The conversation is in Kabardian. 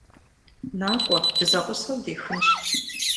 НакӀуэ, дызэгъусэу дехынщ.